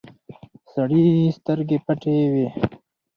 سړي سترګې پټې وې.